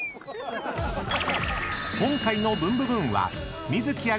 ［今回の『ブンブブーン！』は観月ありささん